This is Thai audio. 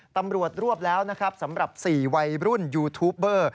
ตำรวจรวบแล้วนะครับสำหรับ๔วัยรุ่นยูทูปเบอร์